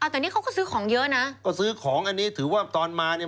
แต่นี่เขาก็ซื้อของเยอะนะ